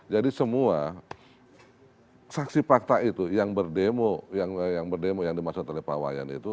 jadi semua saksi fakta itu yang berdemo yang dimaksud oleh pak wayan itu